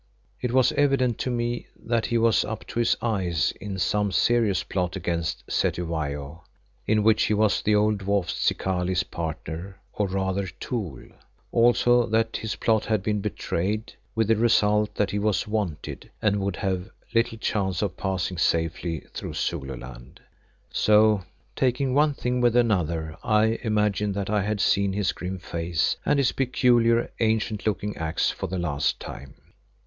It was evident to me that he was up to his eyes in some serious plot against Cetywayo, in which he was the old dwarf Zikali's partner, or rather, tool; also that his plot had been betrayed, with the result that he was "wanted" and would have little chance of passing safely through Zululand. So taking one thing with another I imagined that I had seen his grim face and his peculiar, ancient looking axe for the last time.